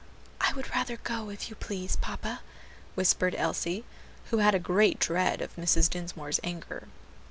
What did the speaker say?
"I would rather go, if you please, papa," whispered Elsie, who had a great dread of Mrs. Dinsmore's anger.